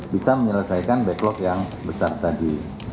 bisa menyelesaikan backlog yang besar tadi